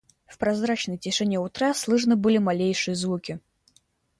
В прозрачной тишине утра слышны были малейшие звуки.